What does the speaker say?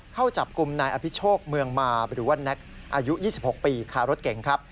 เข้าจับกลุ่มนายอภิโชคเมืองมาหรือว่าแน็กอายุ๒๖ปีคารถเก่งครับ